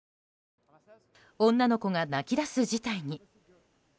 女の子が泣き出す事態に。